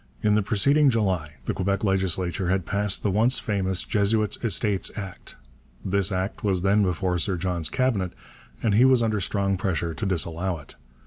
In the preceding July the Quebec legislature had passed the once famous Jesuits' Estates Act. This Act was then before Sir John's Cabinet and he was under strong pressure to disallow it.